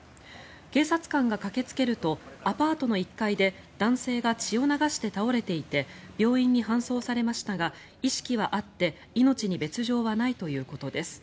警察官が駆けつけるとアパートの１階で男性が血を流して倒れていて病院に搬送されましたが意識はあって命に別条はないということです。